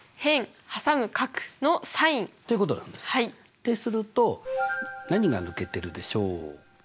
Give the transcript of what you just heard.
ってすると何が抜けてるでしょうか？